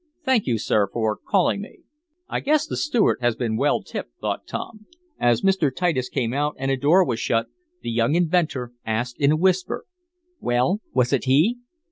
Thank you, sir, for calling me." "I guess the steward has been well tipped," thought Tom. As Mr. Titus came out and the door was shut, the young inventor asked in a whisper, "Well, was it he?"